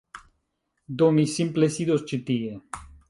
Do, mi simple sidos ĉi tie